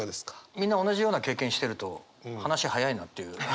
みんな同じような経験してると話早いなっていう。